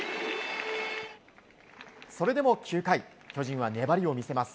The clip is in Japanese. それでも９回巨人は粘りを見せます。